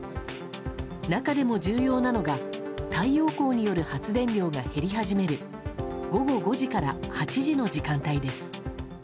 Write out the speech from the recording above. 中でも重要なのが太陽光による発電量が減り始める午後５時から８時の時間帯です。